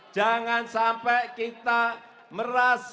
jangan sampai kita merasa